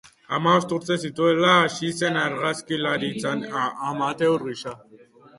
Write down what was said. Hamabost urte zituela hasi zen argazkilaritzan, amateur gisa.